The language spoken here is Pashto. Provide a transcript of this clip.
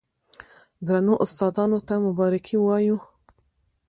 درنو استادانو ته مبارکي وايو،